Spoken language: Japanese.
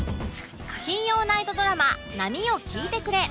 金曜ナイトドラマ『波よ聞いてくれ』